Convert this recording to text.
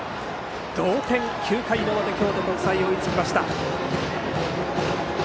同点、９回の表京都国際、追いつきました。